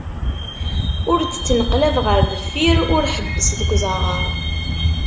Ur d-ttneqlab ɣer deffir, ur ḥebbes deg uzaɣar.